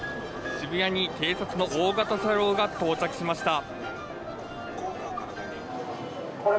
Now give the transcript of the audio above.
渋谷に警察の大型車両が到着しました。